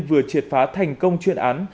vừa triệt phá thành công chuyên án